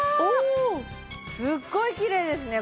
すごいきれいですね